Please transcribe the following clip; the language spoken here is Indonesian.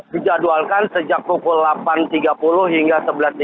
dijadwalkan sejak pukul delapan tiga puluh hingga sebelas tiga puluh